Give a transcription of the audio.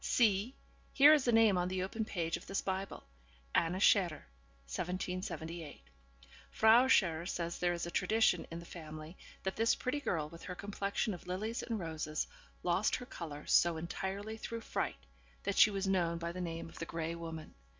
'See! here is the name on the open page of this Bible, "Anna Scherer, 1778." Frau Scherer says there is a tradition in the family that this pretty girl, with her complexion of lilies and roses, lost her colour so entirely through fright, that she was known by the name of the Grey Woman.